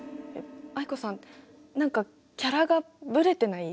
藍子さん何かキャラがぶれてない？